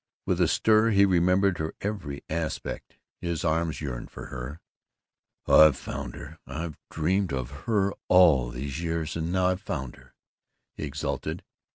With a stir he remembered her every aspect. His arms yearned for her. "I've found her! I've dreamed of her all these years and now I've found her!" he exulted.